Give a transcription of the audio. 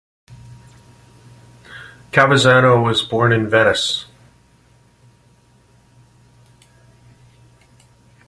Cavazzano was born in Venice.